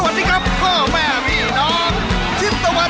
แล้ว